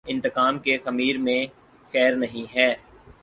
انتقام کے خمیر میںخیر نہیں ہے۔